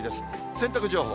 洗濯情報。